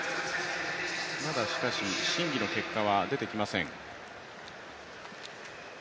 まだしかし、審議の結果は出てきません。